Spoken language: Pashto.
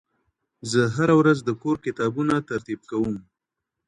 زه هره ورځ د کور کتابونه ترتيب کوم.